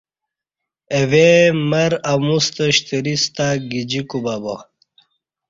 اہ ویں مرہ اموستہ شتریس تہ گجی کُبہ ا۔